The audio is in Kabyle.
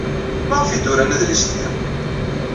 Maɣef ay d-uran adlis-nni?